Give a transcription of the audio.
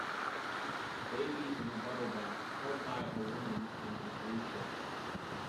Baby in a bubble bath held by a woman in a blue shirt